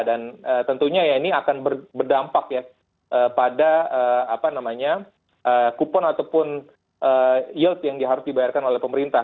dan tentunya ya ini akan berdampak ya pada apa namanya kupon ataupun yield yang harus dibayarkan oleh pemerintah